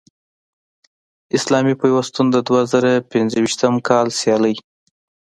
اسلامي پیوستون د دوه زره پنځویشتم کال سیالۍ